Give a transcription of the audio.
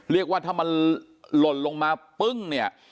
เรียกว่าถ้ามันหล่นลงมาปึ้งเนี่ย